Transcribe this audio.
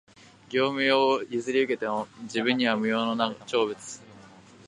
業務用を譲り受けても、自分には無用の長物